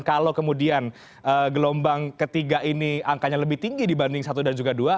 kalau kemudian gelombang ketiga ini angkanya lebih tinggi dibanding satu dan juga dua